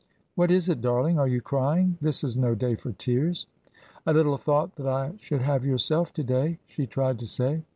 "What is it, darling? Are you crying? This is no day for tears." "I little thought that I should have yourself to day," she tried to say.